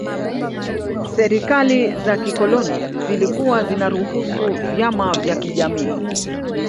Serikali za kikoloni zilikuwa zinaruhusu vyama vya kijamii